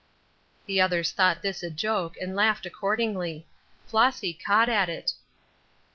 The others thought this a joke, and laughed accordingly. Flossy caught at it.